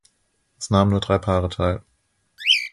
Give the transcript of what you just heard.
Es nahmen nur drei Paare teil.